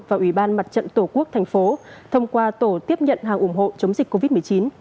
và ủy ban mặt trận tổ quốc thành phố thông qua tổ tiếp nhận hàng ủng hộ chống dịch covid một mươi chín